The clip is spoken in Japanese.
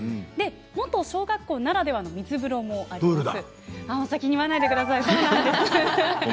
元小学校ならではの水風呂があります。